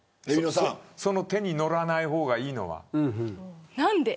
その手に乗らない方がいいのは。